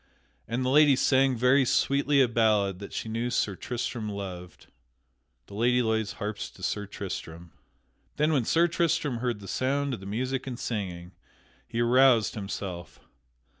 And the lady sang very sweetly a ballad that she knew Sir Tristram loved. [Sidenote: The Lady Loise harps to Sir Tristram] Then when Sir Tristram heard the sound of the music and singing he aroused himself.